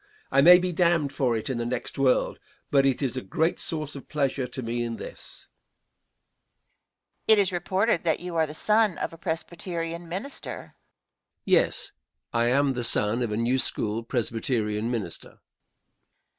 I may be damned for it in the next world, but it is a great source of pleasure to me in this. Question. It is reported that you are the son of a Presbyterian minister? Answer. Yes, I am the son of a New School Presbyterian minister.